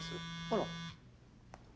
あら。